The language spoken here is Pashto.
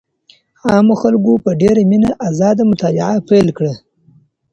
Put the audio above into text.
عامو خلګو په ډېره مينه ازاده مطالعه پيل کړه.